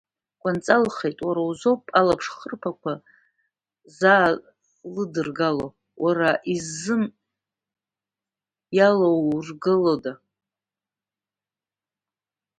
Кәынҵалхеит, уара узоуп алаԥшхырԥагақәа заладыргыло, уара иззын иалаургылода?